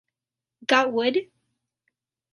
Got wood?